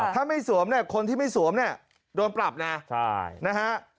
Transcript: ถ้าไม่สวมเนี่ยคนที่ไม่สวมเนี่ยโดนปรับนะนะฮะ